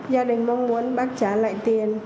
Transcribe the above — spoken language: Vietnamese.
gia đình mong muốn bác trả lại tiền